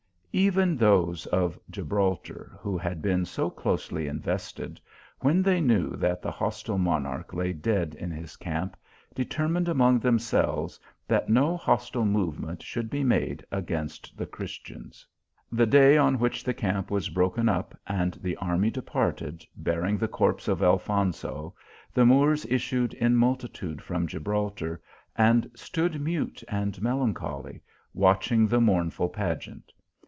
Even those of Gibraltar, who had been so closely invested, when they knew that the hostile monarch lay dead in his camp, determined among themselves that no hostile movement should be made against the Christians. The day on which the camp was broken up, and the army departed, bearing the corpse of Alfonso, the Moors issued in multitudes from Gibraltar, and stood mute and melancholy, watching the mournful pageant.